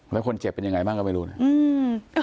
แล้วคนเจ็บเป็นยังไงบ้างก็ไม่รู้นะ